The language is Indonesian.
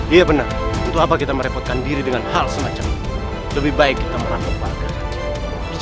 iya benar untuk apa kita merepotkan diri dengan hal semacam ini lebih baik kita merangkap warga